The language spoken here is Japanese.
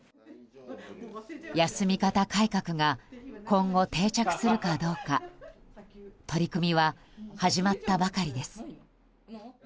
休み方改革が今後定着するかどうか取り組みは始まったばかりです。